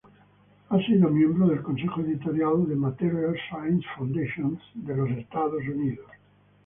Ha sido miembro del consejo editorial de "Materials Science Foundations" de Estados Unidos.